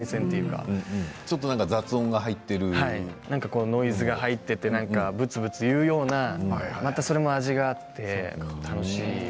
アナログなことのほうがちょっと雑音が入っているノイズが入っていてぶつぶついうようなそれがまた味があって、楽しい。